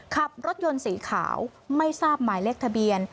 ขับรถยนต์สีขาวไม่ทราบหมายเลขทะเบียน